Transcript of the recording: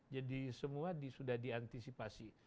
jadi semua sudah diantisipasi